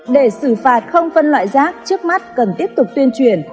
để xử phạt không phân loại rác trước mắt cần tiếp tục tuyên truyền